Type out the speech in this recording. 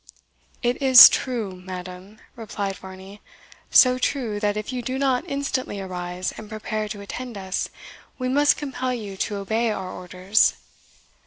"It is TRUE, madam," replied Varney; "so true, that if you do not instantly arise, and prepare to attend us, we must compel you to obey our orders."